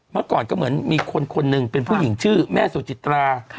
เมื่อก่อนก็เหมือนมีคนคนหนึ่งเป็นผู้หญิงชื่อแม่สุจิตรา